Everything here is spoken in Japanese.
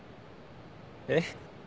えっ？